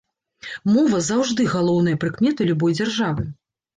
Мова заўжды галоўная прыкмета любой дзяржавы.